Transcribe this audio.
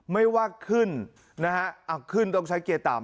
ไม่ว่าขึ้นนะฮะขึ้นต้องใช้เกียร์ต่ำ